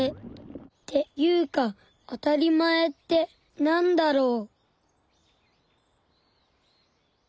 っていうかあたりまえってなんだろう。